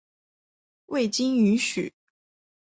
未经允许